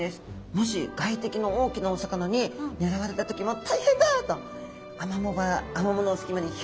もし外敵の大きなお魚に狙われた時も「大変だ！」とアマモ場アマモの隙間にヒョイッとですね